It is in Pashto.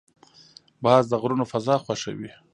باز د غرونو فضا خوښوي